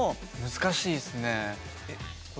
難しいですね。